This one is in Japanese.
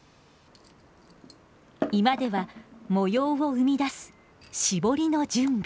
居間では模様を生み出す絞りの準備。